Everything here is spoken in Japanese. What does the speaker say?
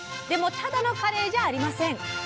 でもただのカレイじゃありません。